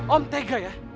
om tegas ya